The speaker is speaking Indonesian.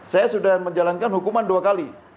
saya sudah menjalankan hukuman dua kali